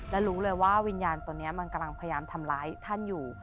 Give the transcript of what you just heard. และรู้เลยว่าวิญญาณตัวนี้มันกำลังพยายามทำร้ายท่านอยู่